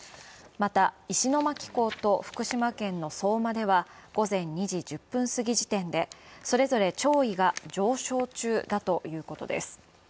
また、石巻港と福島県の相馬では午前２時１０分過ぎ時点でそれぞれ潮位が上昇中だということです。